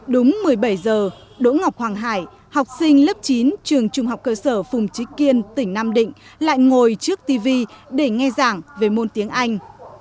đúng một mươi bảy h đỗ ngọc hoàng hải học sinh lớp chín trường trung học cơ sở phùng trí kiên tỉnh nam định lại ngồi trước tv để nghe giảng về môn tiếng anh